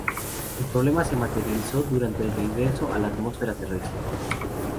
El problema se materializó durante el reingreso a la atmósfera terrestre.